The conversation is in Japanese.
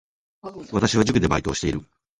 私は塾でバイトをしている